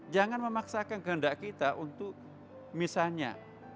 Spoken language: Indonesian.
jangan memaksakan kehendak kita untuk misalnya